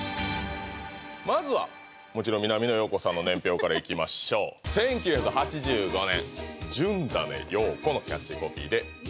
まずはもちろん南野陽子さんの年表からいきましょう「１９８５年」でその年ですよ！